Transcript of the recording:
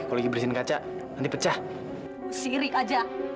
kok langsung udah gak punya uang